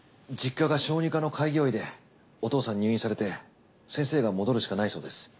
実家が小児科の開業医でお父さん入院されて先生が戻るしかないそうです。